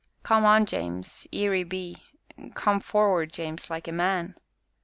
"Come on, James, 'ere 'e be come for'ard, James, like a man."